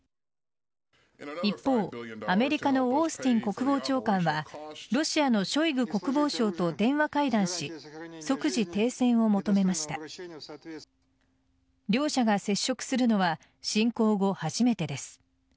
一方、アメリカのオースティン国防長官はロシアのショイグ国防相と電話会談し即時停戦を求めました。両者が接触するのは侵攻後、初めてです。